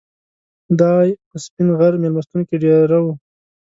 دای په سپین غر میلمستون کې دېره و.